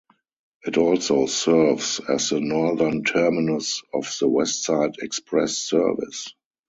It also serves as the northern terminus of the Westside Express Service.